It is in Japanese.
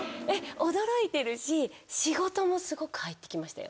驚いてるし仕事もすごく入って来ましたよ。